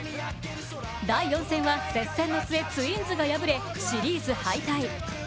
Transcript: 第４戦は接戦の末ツインズが敗れシリーズ敗退。